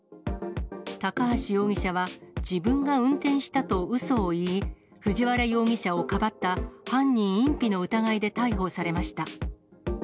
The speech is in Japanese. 高橋容疑者は、自分が運転したとうそを言い、藤原容疑者をかばった犯人隠避の疑いで逮捕されました。